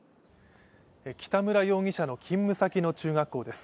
北村容疑者の勤務先の中学校です。